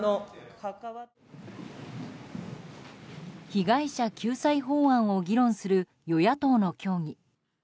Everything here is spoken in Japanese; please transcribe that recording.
被害者救済法案を議論する与野党の協議。